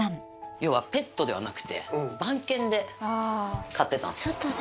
要はペットではなくて、番犬で飼ってたんです。